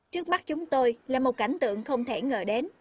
trước mắt chúng tôi là một cảnh tượng không thể ngờ đến